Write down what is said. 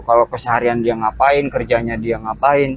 kalau keseharian dia ngapain kerjanya dia ngapain